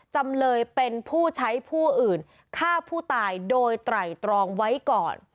จำเลยเป็นผู้ใช้ผู้อื่นฆ่าผู้ตายโดยไตรตรองไว้ก่อน